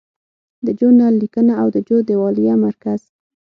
د جو نل لیکنه او د جو دیوالیه مرکز